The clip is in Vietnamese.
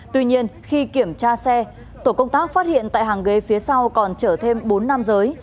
tuy nhiên khi kiểm tra xe tổ công tác phát hiện tại hàng ghế phía sau còn chở thêm bốn nam giới